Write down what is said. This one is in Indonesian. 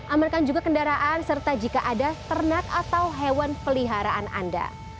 amankan juga kendaraan serta jika ada ternak atau hewan peliharaan anda